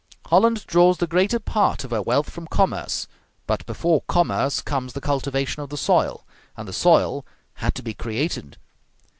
Holland draws the greater part of her wealth from commerce; but before commerce comes the cultivation of the soil; and the soil had to be created.